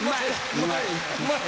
うまい！